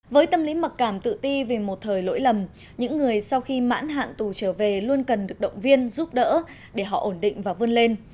với tâm lý mặc cảm tự ti vì một thời lỗi lầm những người sau khi mãn hạn tù trở về luôn cần được động viên giúp đỡ để họ ổn định và vươn lên